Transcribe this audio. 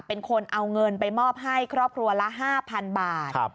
เป็นคนเอาเงินไปมอบให้ครอบครัวละ๕๐๐๐บาท